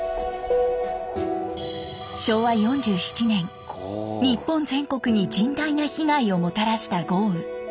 昭和４７年日本全国に甚大な被害をもたらした豪雨。